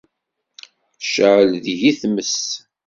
Tecɛel deg-i tmes.